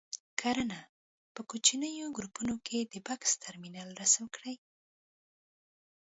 کړنه: په کوچنیو ګروپونو کې د بکس ترمینل رسم کړئ.